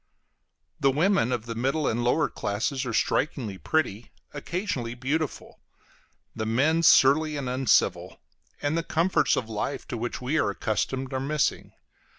The women of the middle and lower classes are strikingly pretty, occasionally beautiful; the men surly and uncivil; and the comforts of life to which we are accustomed are missing.